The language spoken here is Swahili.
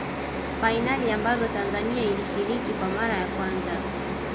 fainali ambazo tanzania ilishiriki kwa mara ya kwanza